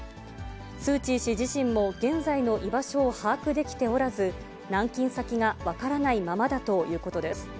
スー・チー氏自身も、現在の居場所を把握できておらず、軟禁先が分からないままだということです。